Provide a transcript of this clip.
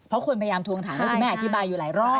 เพราะคนพยายามทวงถามให้คุณแม่อธิบายอยู่หลายรอบ